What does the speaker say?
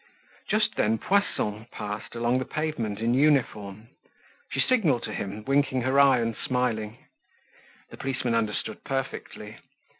Just then Poisson passed along the pavement in uniform. She signaled to him, winking her eye and smiling. The policeman understood perfectly.